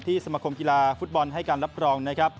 ที่สมคมกีฬาฟุตบอลให้การรับกรอง